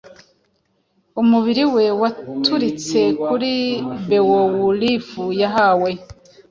Umubiri we waturitse Kuri Beowulf yahawe